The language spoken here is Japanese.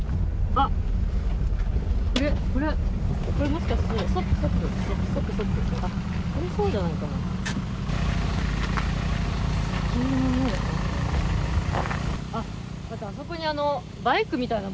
あっ、これそうじゃないかな？